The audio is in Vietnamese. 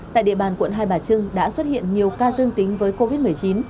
tại địa bàn quận hai bà trưng đã xuất hiện nhiều ca dương tính với covid một mươi chín